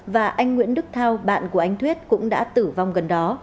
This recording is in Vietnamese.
và anh nguyễn đức thao bạn của anh thuyết cũng đã tử vong gần đó